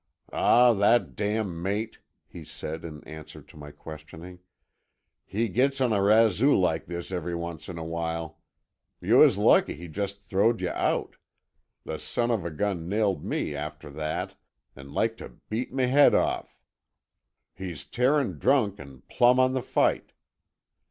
"Aw, that dam' mate!" he said, in answer to my questioning. "He gits on a razoo like this every once in a while. Yuh was lucky he just throwed yuh out. The son of a gun nailed me after that an' like t' beat m' head off. He's tearin' drunk an' plumb on the fight.